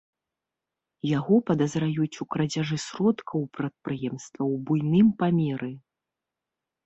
Яго падазраюць у крадзяжы сродкаў прадпрыемства ў буйным памеры.